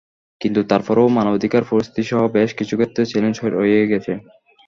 কিন্তু তার পরও মানবাধিকার পরিস্থিতিসহ বেশ কিছু ক্ষেত্রে চ্যালেঞ্জ রয়ে গেছে।